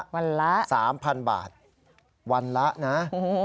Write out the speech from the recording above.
วันละ๓๐๐๐บาทวันละนะ